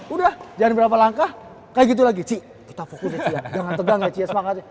udah jangan berapa langkah kayak gitu lagi ci kita fokus ya ci ya jangan tegang ya ci ya semangatnya